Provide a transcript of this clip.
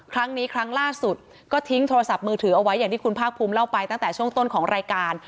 ครั้งนี้ครั้งล่าสุดก็ทิ้งโทรศัพท์มือถือเอาไว้อย่างที่คุณภาคภูมิเล่าไปตั้งแต่ช่วงต้นของรายการ